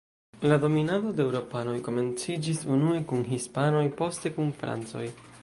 La dominado de eŭropanoj komenciĝis unue kun hispanoj, poste kun francoj.